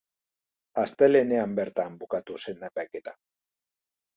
Astelehenean bertan bukatu zen epaiketa.